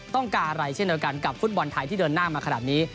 ต้องการอะไรเช่นเดียวกันกับฟุตบอลไทยที่เดินหน้ามาขนาดนี้